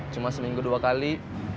cuma seminggu dua kali